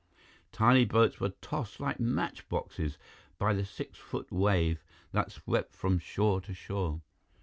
Tiny boats were tossed like match boxes by the six foot wave that swept from shore to shore.